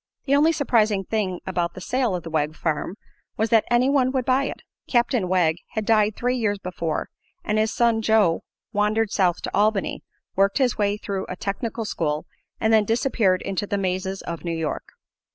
The only surprising thing about the sale of the Wegg farm was that anyone would buy it. Captain Wegg had died three years before, and his son Joe wandered south to Albany, worked his way through a technical school and then disappeared in the mazes of New York.